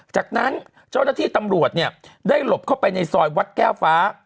จากนั้นเจ้าหน้าที่ตำรวจเนี่ยได้หลบเข้าไปในซอยวัดแก้วฟ้า